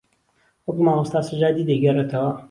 وەک مامۆستا سەجادی دەیگێڕێتەوە